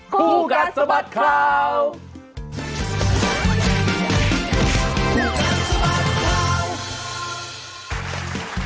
ผู้กัดสบัติครับ